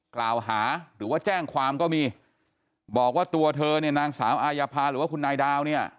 กล่าวหาหรือว่าแจ้งความก็มีบอกว่าตัวเธอเนี่ยนางสาวอายภาหรือว่าคุณนายดาวเนี่ย